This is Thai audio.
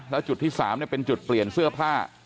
แล้วจุดที่๓เป็นจุดเปลี่ยนเสื้อผ้า